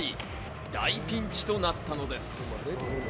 大ピンチとなったのです。